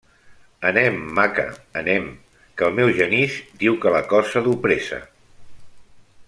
Anem, maca, anem, que el meu Genís diu que la cosa du pressa.